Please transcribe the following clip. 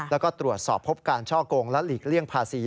แล้วก็ตรวจสอบพบการช่อกงและหลีกเลี่ยงภาษี